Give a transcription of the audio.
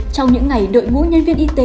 trong những ngày đội ngũ nhân viên y tế